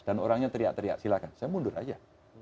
dan orangnya teriak teriak silakan saya mundur aja